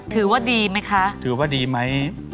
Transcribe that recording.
ถือว่าดีไหมคะถือว่าดีไหม